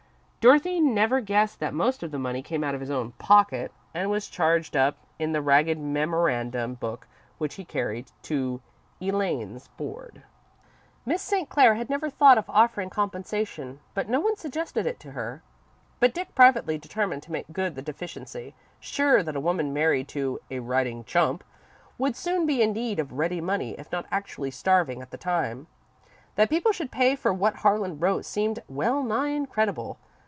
Dorothy never guessed that most of the money came out of his own pocket, and was charged up, in the ragged memorandum book which he carried, to "Elaine's board." Miss St. Clair had never thought of offering compensation, and no one suggested it to her, but Dick privately determined to make good the deficiency, sure that a woman married to "a writing chump" would soon be in need of ready money if not actually starving at the time. That people should pay for what Harlan wrote seemed well nigh incredible.